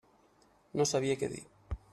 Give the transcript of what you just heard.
No sabia què dir.